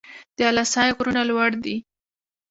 د اله سای غرونه لوړ دي